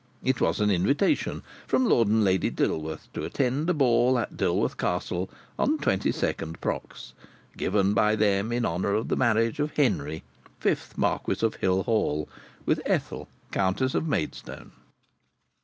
It was an invitation from Lord and Lady Dilworth to attend a ball at Dilworth Castle on 22nd prox., given by them in honour of the marriage of Henry, fifth Marquis of Hill Hall, with Ethel, Countess of Maidstone.